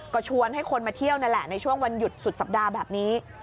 ก็ชวนให้คนมาเที่ยวนั่นแหละในช่วงวันหยุดสุดสัปดาห์แบบนี้